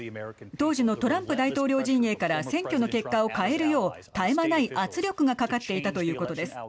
当時のトランプ大統領陣営から選挙の結果を変えるよう絶え間ない圧力がかかっていたということです。